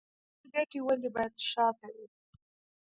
شخصي ګټې ولې باید شاته وي؟